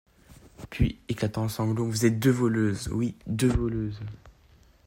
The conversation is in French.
Puis, éclatant en sanglots: — Vous êtes deux voleuses, oui, deux voleuses!